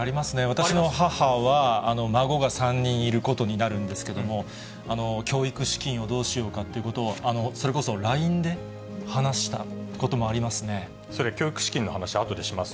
私の母は、孫が３人いることになるんですけども、教育資金をどうしようかってことを、それこそＬＩＮＥで話したこそれ、教育資金の話、あとでします。